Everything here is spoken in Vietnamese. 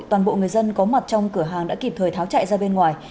toàn bộ người dân có mặt trong cửa hàng đã kịp thời tháo chạy ra bên ngoài